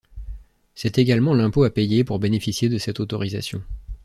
C'est également l'impôt à payer pour bénéficier de cette autorisation.